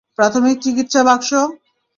প্রাথমিক চিকিৎসা বাক্স!